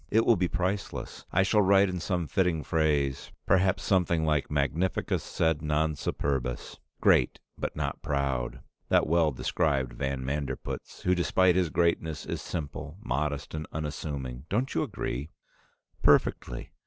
It will be priceless. I shall write in some fitting phrase, perhaps something like Magnificus sed non superbus. 'Great but not proud!' That well described van Manderpootz, who despite his greatness is simple, modest, and unassuming. Don't you agree?" "Perfectly!